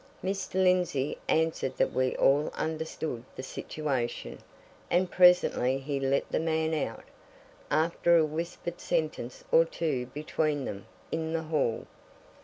Mr. Lindsey answered that we all understood the situation, and presently he let the man out, after a whispered sentence or two between them in the hall.